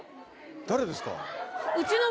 誰ですか？